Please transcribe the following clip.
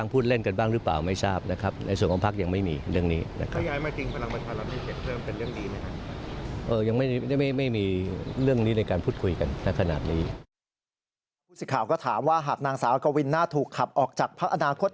ผู้สิทธิ์ก็ถามว่าหากนางสาวกวินน่าถูกขับออกจากพักอนาคต